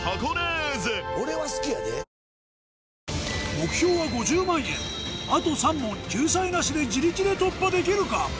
目標は５０万円あと３問救済なしで自力で突破できるか？